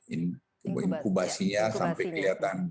inkubasinya sampai kelihatan